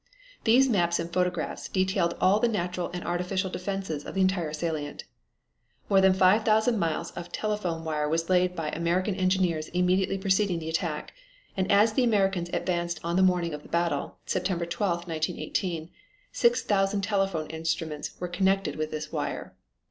These maps and photographs detailed all the natural and artificial defenses of the entire salient. More than 5,000 miles of telephone wire was laid by American engineers immediately preceding the attack, and as the Americans advanced on the morning of the battle, September 12, 1918, 6,000 telephone instruments were connected with this wire.